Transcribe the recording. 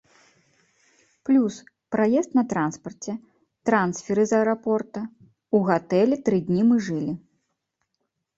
Плюс, праезд на транспарце, трансферы з аэрапорта, у гатэлі тры дні мы жылі.